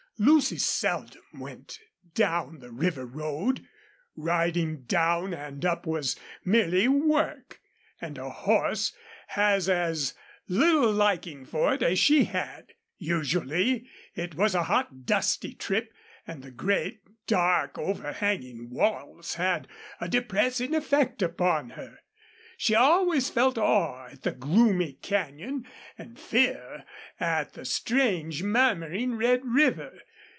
Lucy seldom went down the river road. Riding down and up was merely work, and a horse has as little liking for it as she had. Usually it was a hot, dusty trip, and the great, dark, overhanging walls had a depressing effect, upon her. She always felt awe at the gloomy canyon and fear at the strange, murmuring red river.